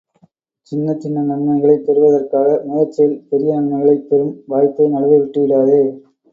சின்னச்சின்ன நன்மைகளைப் பெறுவதற்காக, முயற்சியில் பெரிய நன்மைகளைப் பெறும் வாய்ப்பை நழுவ விட்டு விடாதே!